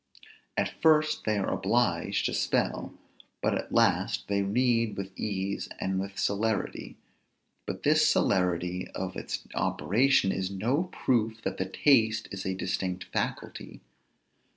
At first they are obliged to spell, but at last they read with ease and with celerity; but this celerity of its operation is no proof that the taste is a distinct faculty.